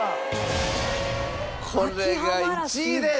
これが１位です。